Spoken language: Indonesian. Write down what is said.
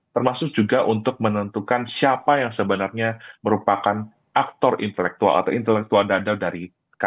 termasuk juga untuk menentukan siapa yang sebenarnya merupakan aktor intelektual atau intelektual dadle dari kpk